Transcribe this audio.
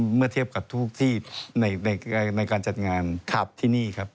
เมื่อเทียบกับทุกที่ในการจัดงานที่นี่ครับ